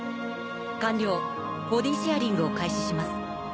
完了ボディシェアリングを開始します。